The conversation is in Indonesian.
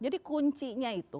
jadi kuncinya itu